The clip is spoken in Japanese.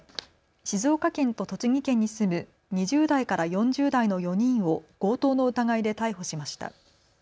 静岡県と栃木県に住む２０代から４０代の４人を強盗の疑いで逮捕しました。